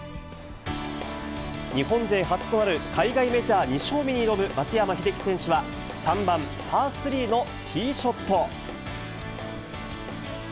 日本勢初となる海外メジャー２勝目に挑む松山英樹選手は３番パースリーのティーショット。